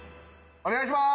お願いします。